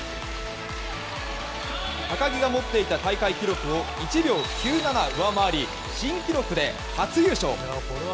高木が持っていた大会記録を１秒９７上回り新記録で初優勝。